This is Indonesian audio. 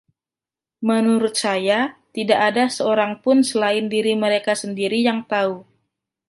Menurut saya, tidak ada seorang pun selain diri mereka sendiri yang tahu.